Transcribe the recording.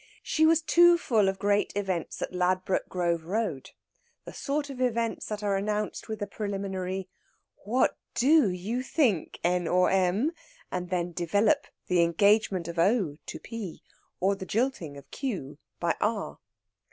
She was too full of great events at Ladbroke Grove Road the sort of events that are announced with a preliminary, What do you think, N or M? And then develop the engagement of O to P, or the jilting of Q by R.